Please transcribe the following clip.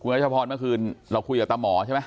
รัชพรเมื่อคืนเราคุยกับตาหมอใช่ไหม